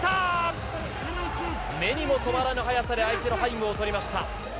目にも留まらぬ速さで相手の背後を取りました。